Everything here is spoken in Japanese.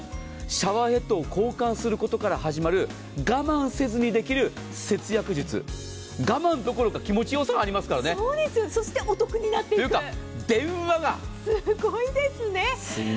シャワーヘッドを交換することから始まる我慢することなく始まる節約術、我慢どころか、気持ちよさがありますからね。というか、電話がすごいですね。